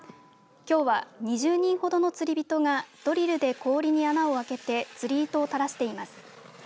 きょうは、２０人ほどの釣り人がドリルで氷に穴を開けて釣り糸を垂らしています。